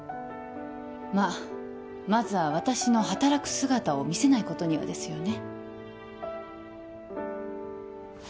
まあまずは私の働く姿を見せないことにはですよね